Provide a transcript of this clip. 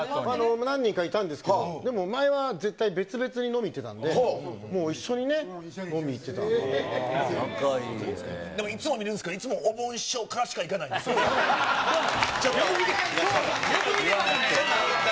何人かいたんですけど、でも前は絶対別々に飲みに行ってたんで、もう一緒にね、飲みに行いつも見るんですけど、いつもおぼん師匠からしかいかないですよね。